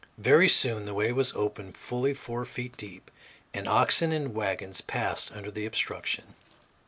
Very soon the way was open fully four feet deep, and oxen and wagons passed under the obstruction.